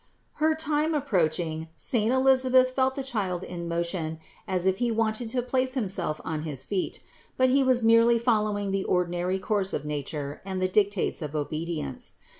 274. Her time approaching, saint Elisabeth felt the child in motion as if he wanted to place himself on his feet; but he was merely following the ordinary course of nature and the dictates of obedience.